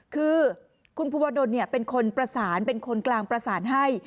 คือคุณภูวดลเป็นคนประสานเป็นคนกลางประสานให้